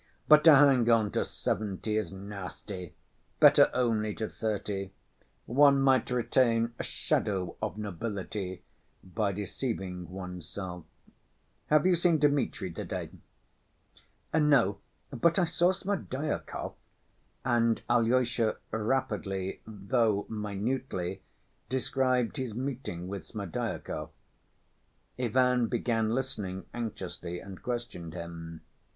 But to hang on to seventy is nasty, better only to thirty; one might retain 'a shadow of nobility' by deceiving oneself. Have you seen Dmitri to‐day?" "No, but I saw Smerdyakov," and Alyosha rapidly, though minutely, described his meeting with Smerdyakov. Ivan began listening anxiously and questioned him.